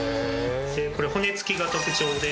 でこれ骨付きが特徴で。